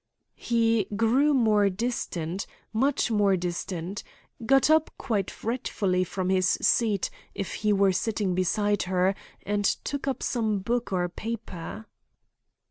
"He grew more distant, much more distant; got up quite fretfully from his seat, if he were sitting beside her, and took up some book or paper."